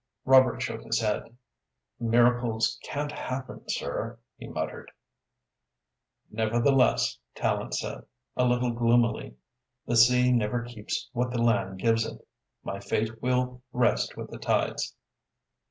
Robert shook his head. "Miracles can't happen, sir," he muttered. "Nevertheless," Tallente said, a little gloomily, "the sea never keeps what the land gives it. My fate will rest with the tides."